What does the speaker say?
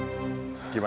ini apa nial